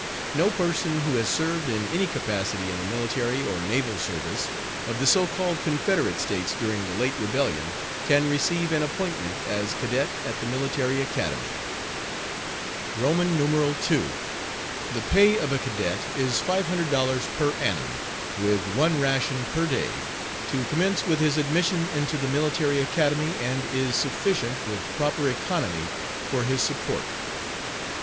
No person who has served in any capacity in the military or naval service of the so called Confederate States during the late rebellion can receive an appointment as cadet at the Military Academy. II. The pay of a cadet is $500 per annum, with one ration per day, to commence with his admission into the Military Academy, and is sufficient, with proper economy, for his support.